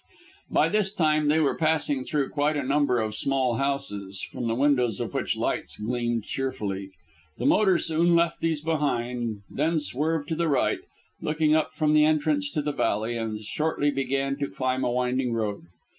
By this time they were passing through quite a number of small houses, from the windows of which lights gleamed cheerfully. The motor soon left these behind, then swerved to the right looking up from the entrance to the valley and shortly began to climb a winding road.